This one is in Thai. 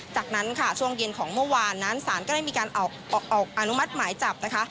จากนั้นค่ะช่วงเย็นของเมื่อวานนั้นศาลก็ได้มีการออกอนุมัติหมายจับนะคะ